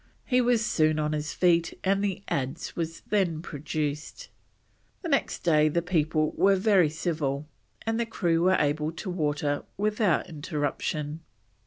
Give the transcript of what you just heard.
He was soon on his feet, and the adze was then produced. The next day the people were very civil, and the crew were able to water without interruption.